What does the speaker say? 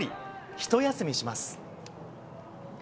ひと休みします。